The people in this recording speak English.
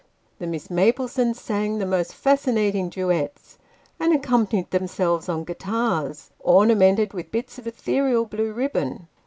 The Miss Maplesones sang the most fascinating duets, and accompanied themselves on guitars, ornamented with bits of ethereal blue ribbon.